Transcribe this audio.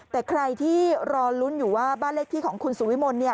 แต่ใครที่รอลุ้นอยู่ว่าบ้านเลขที่ของคุณสุวิมล